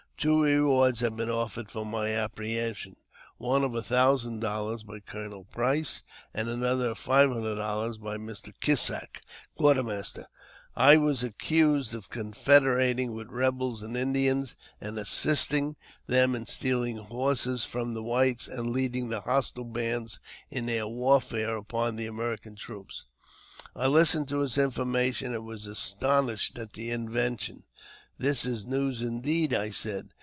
Two rewards had been offered for my apprehen sion : one of a thousand dollars by Colonel Price, and another of five hundred dollars by Mr. Kissack, Quartermaster. I was accused of confederating with rebels and Indians, and as sisting them in stealing horses from the whites, and leading the hostile bands in their warfare upon the American troops. I listened to his information, and was astonished at the in vention. ''That is news indeed." I said.